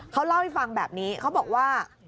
เขาเล่าให้ฟังแบบนี้เขาบอกว่า